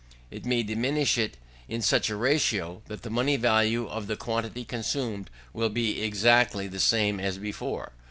It may diminish it in such a ratio, that the money value of the quantity consumed will be exactly the same as before.